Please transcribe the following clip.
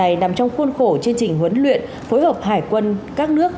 này nằm trong khuôn khổ chương trình huấn luyện phối hợp hải quân các nước